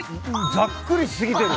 ざっくりしすぎてる！